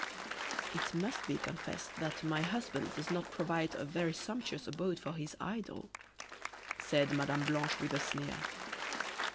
"It must be confessed that my husband does not provide a very sumptuous abode for his idol," said Mme. Blanche, with a sneer.